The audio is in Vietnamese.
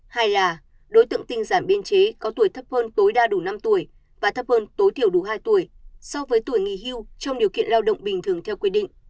hai là đối tượng tinh giản biên chế có tuổi thấp hơn tối đa đủ năm tuổi và thấp hơn tối thiểu đủ hai tuổi so với tuổi nghỉ hưu trong điều kiện lao động bình thường theo quy định